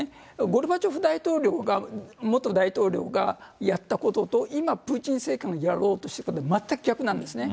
ゴルバチョフ大統領が、元大統領がやったことと、今、プーチン政権がやろうとしていることは全く逆なんですね。